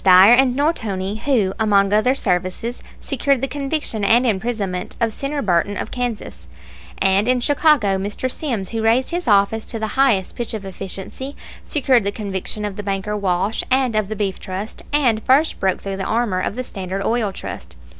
Dyer and Nortoni, who, among other services, secured the conviction and imprisonment of Senator Burton, of Kansas; and in Chicago Mr. Sims, who raised his office to the highest pitch of efficiency, secured the conviction of the banker Walsh and of the Beef Trust, and first broke through the armor of the Standard Oil Trust.